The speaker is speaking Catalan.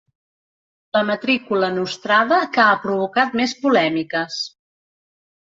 La matrícula nostrada que ha provocat més polèmiques.